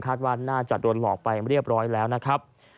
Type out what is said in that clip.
ว่าน่าจะโดนหลอกไปเรียบร้อยแล้วนะครับ